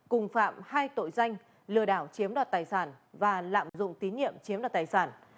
cùng phạm hai tội danh lừa đảo chiếm đoạt tài sản và lạm dụng tín nhiệm chiếm đoạt tài sản